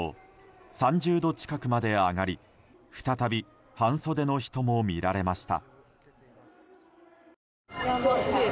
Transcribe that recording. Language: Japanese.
３０度近くまで上がり再び半袖の人も見られました。